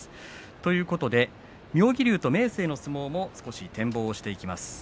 ということで妙義龍と明生の相撲も展望していきます。